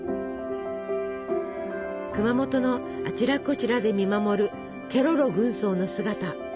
熊本のあちらこちらで見守るケロロ軍曹の姿。